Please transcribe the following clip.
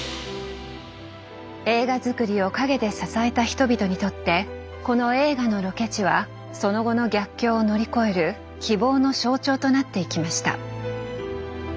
映画づくりを陰で支えた人々にとってこの映画のロケ地はその後の逆境を乗り越える希望の象徴となっていきました。